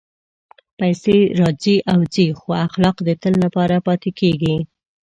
پېسې راځي او ځي، خو اخلاق د تل لپاره پاتې کېږي.